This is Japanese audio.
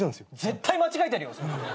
絶対間違えてるよ。